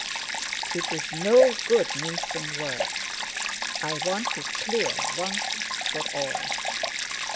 It's no good mincing words; I want it clear once for all.